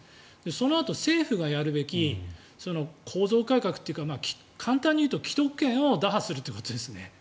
そのあと、政府がやるべき構造改革っていうか簡単に言うと既得権を打破するということですね。